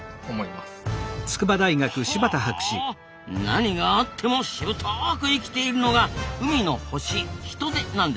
何があってもしぶとく生きているのが海の星・ヒトデなんですなあ。